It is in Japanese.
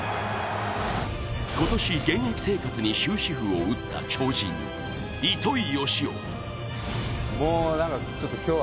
今年、現役生活に終止符を打った超人、糸井嘉男。